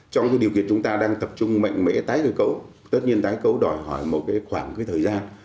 trong điều kiện chúng ta đang tập trung mạnh mẽ tái cơ cấu tất nhiên tái cấu đòi hỏi một khoảng thời gian